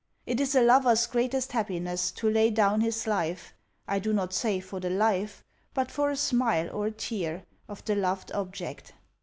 It is a lover's greatest happiness to lay down his life, I do not say for the life, but for a smile or a tear, of the loved object.